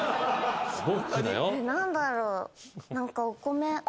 何だろう？